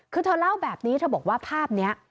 คือเธอเล่าแบบนี้เธอบอกว่าภาพนี้